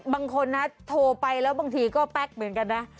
บางคนนะโทรไปแล้วบางทีก็แป๊กเหมือนกันนะ